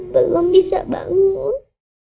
belum bisa bangun